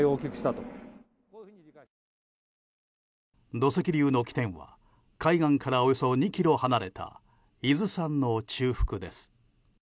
土石流の起点は海岸からおよそ２ｋｍ離れた伊豆山の中腹です。